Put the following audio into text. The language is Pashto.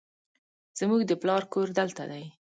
زموږ د پلار کور دلته دی